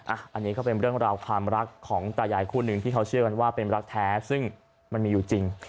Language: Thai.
อันนี้ก็เป็นเรื่องราวความรักของตายายคู่หนึ่งที่เขาเชื่อกันว่าเป็นรักแท้ซึ่งมันมีอยู่จริง